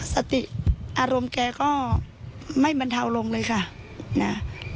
สติอารมณ์แกก็ไม่บรรเทาลงเลยค่ะนะ